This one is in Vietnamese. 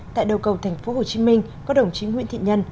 tại đầu cầu tp hcm có đồng chí nguyễn thị nhân